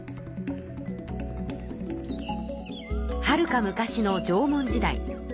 はるか昔の縄文時代。